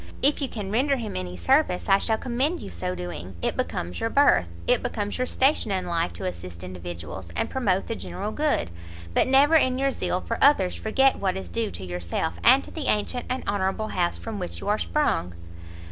If you can render him any service, I shall commend your so doing; it becomes your birth, it becomes your station in life to assist individuals, and promote the general good: but never in your zeal for others forget what is due to yourself, and to the ancient and honourable house from which you are sprung."